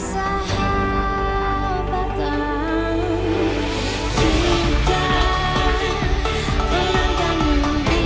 selamat hari pendidikan nasional